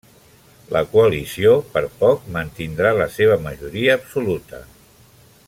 La coalició, per poc, mantindrà la seva majoria absoluta.